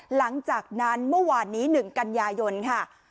หลังจากนั้นเมื่อวานนี้๑กันยายนค่ะ